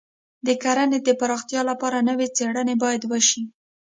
د کرنې د پراختیا لپاره نوې څېړنې باید وشي.